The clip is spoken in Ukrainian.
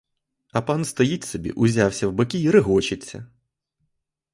А пан стоїть собі, узявся в боки й регочеться.